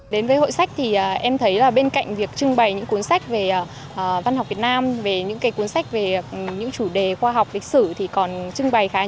đến với hội sách thì em thấy là bên cạnh việc trưng bày những cuốn sách về văn học việt nam về những cuốn sách về những chủ đề khoa học lịch sử thì còn trưng bày khá nhiều